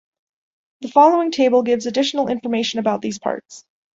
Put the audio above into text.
The following table gives additional information about these parts.